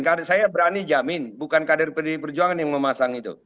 karena saya berani jamin bukan kader pdi perjuangan yang memasang itu